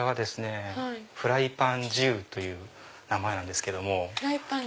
フライパンＪＩＵという名前なんですけども。